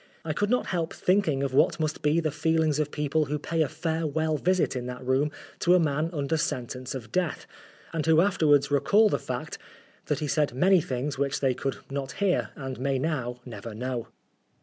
I could not help thinking of what must be the feelings of people who pay a farewell visit in that room to a man under sentence of death, and who after wards recall the fact that he said many things which they could not hear and may now never know.